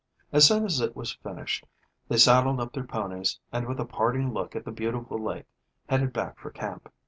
As soon as it was finished, they saddled up their ponies, and, with a parting look at the beautiful lake, headed back for camp.